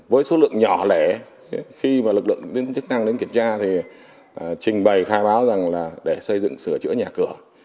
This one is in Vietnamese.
với số lượng nhỏ lẻ khi mà lực lượng chức năng đến kiểm tra thì trình bày khai báo rằng là để xây dựng sửa chữa nhà cửa